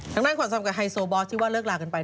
ทั้งนั้นขวัญซัมกับไฮโซบอสที่ว่าเลิกลากันไป